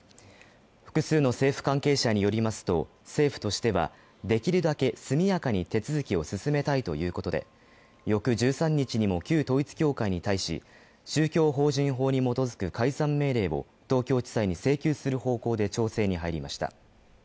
複数の政府関係者によりますと政府としてはできるだけ速やかに手続きを進めたいということで翌１３日にも旧統一教会に対し宗教法人法に基づく解散命令を東京地裁に請求する方向で調整に入りました。